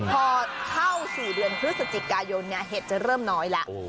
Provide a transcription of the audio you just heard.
พอเข้า๔เดือนพฤศจิกายนเห็ดจะเริ่มน้อยแล้ว